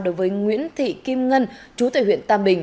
đối với nguyễn thị kim ngân chú tại huyện tam bình